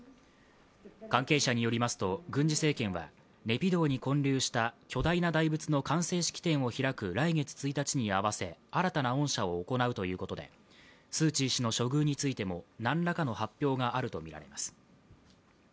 関係者によりますと軍事政権はネピドーに建立した巨大な大仏の完成式典を開く来月１日に合わせ新たな恩赦を行うということで、スー・チー氏の処遇についてもなんらかの発表があるとみられます。